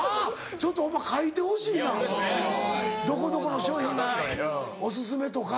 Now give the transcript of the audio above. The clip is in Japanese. ちょっとホンマ書いてほしいなどこどこの商品がお薦めとか。